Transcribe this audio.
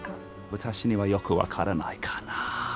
私にはよく分からないかな。